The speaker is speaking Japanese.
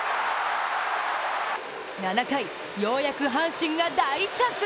７回、ようやく阪神が大チャンス。